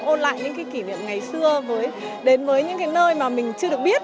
ôn lại những cái kỷ niệm ngày xưa đến với những cái nơi mà mình chưa được biết